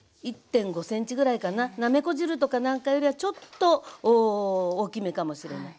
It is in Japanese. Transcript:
１．５ｃｍぐらいかななめこ汁とかなんかよりはちょっと大きめかもしれない。